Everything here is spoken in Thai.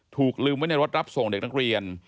ถูกลืมไว้ในรถรับส่งเด็กนักเรียน